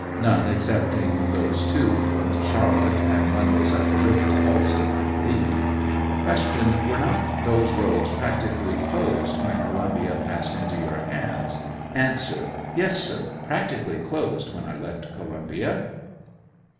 None excepting those two, one to Charlotte, and one goes up the river to Alston, I believe. Q, Were not those roads practically closed when Co lumbia passed into your hands. A. Yes, sir; practically closed when I left Columbia.